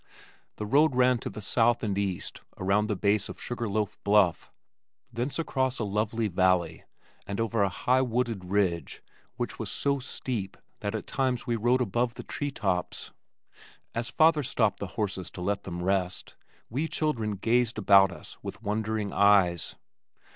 The road ran to the south and east around the base of Sugar Loaf Bluff, thence across a lovely valley and over a high wooded ridge which was so steep that at times we rode above the tree tops. As father stopped the horses to let them rest, we children gazed about us with wondering eyes.